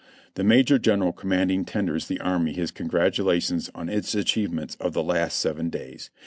"The Major General commanding tenders the army his con gratulations on its achievements of the last seven days.